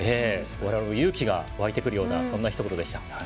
我々も勇気が湧いてくるようなそんなひと言でした。